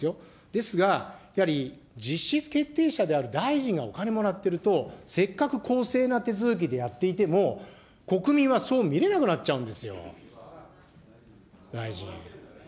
ですが、やはり実質決定者である大臣がお金もらってると、せっかく公正な手続きでやっていても、国民はそう見れなくなっちゃうんですよ、大臣。